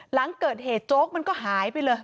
หลังเกิดเหตุโจ๊กมันก็หายไปเลย